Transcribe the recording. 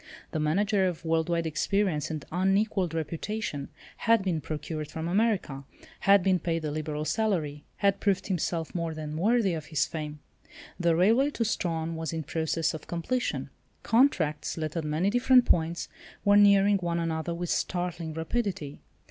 The manager of world wide experience and unequalled reputation had been procured from America; had been paid the liberal salary; had proved himself more than worthy of his fame. The railway to Strahan was in process of completion. Contracts, let at many different points, were nearing one another with startling rapidity.